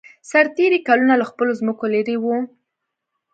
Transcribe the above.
سرتېري کلونه له خپلو ځمکو لېرې وو.